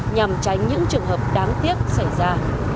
nhằm tránh những trường hợp đáng tiếc xảy ra